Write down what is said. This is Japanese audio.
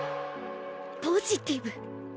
ポジティブ。